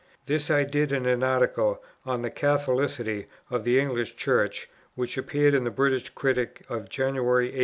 This I did in an Article "on the Catholicity of the English Church," which appeared in the British Critic of January, 1840.